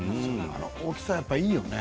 大きさがいいよね。